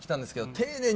丁寧に